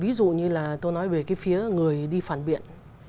ví dụ như là tôi nói về cái phía người đi phản biện